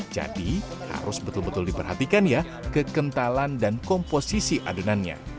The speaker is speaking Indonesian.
jadi harus betul betul diperhatikan ya kekentalan dan komposisi adonannya